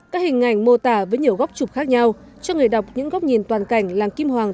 các hình ảnh mô tả với nhiều góc chụp khác nhau cho người đọc những góc nhìn toàn cảnh làng kim hoàng